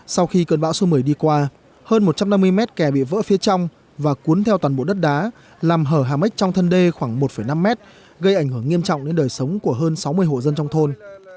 sau khi cơn bão số một mươi đi qua hơn một trăm năm mươi mét kè bị vỡ phía trong và cuốn theo toàn bộ đất đá làm hở hà mách trong thân đê khoảng một năm mét gây ảnh hưởng nghiêm trọng đến đời sống của hơn sáu mươi hộ dân trong thôn